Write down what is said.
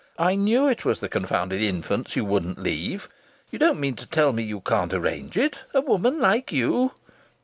I knew it was the confounded infants you wouldn't leave. You don't mean to tell me you can't arrange it a woman like you!"